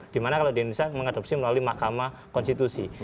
dimana kalau di indonesia mengadopsi melalui mahkamah konstitusi